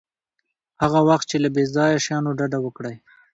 هغه وخت چې له بې ځایه شیانو ډډه وکړئ.